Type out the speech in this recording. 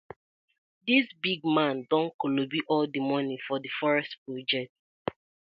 Dis big man don kolobi all di moni for di forest project.